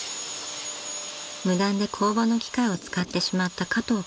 ［無断で工場の機械を使ってしまった加藤君］